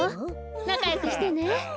なかよくしてね。